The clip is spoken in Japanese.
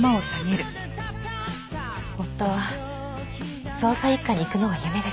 夫は捜査一課に行くのが夢でした。